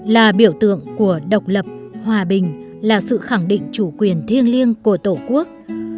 là biểu tượng của độc lập hòa bình là sự khẳng định chủ quyền thiêng liêng của tổ quốc